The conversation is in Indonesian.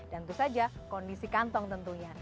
dan itu saja kondisi kantong tentunya